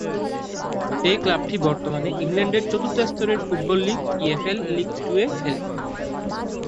এই ক্লাবটি বর্তমানে ইংল্যান্ডের চতুর্থ স্তরের ফুটবল লীগ ইএফএল লীগ টু-এ খেলে।